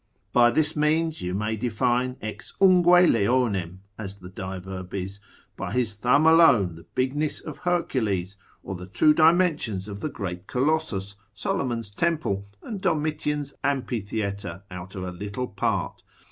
By this means you may define ex ungue leonem, as the diverb is, by his thumb alone the bigness of Hercules, or the true dimensions of the great Colossus, Solomon's temple, and Domitian's amphitheatre out of a little part.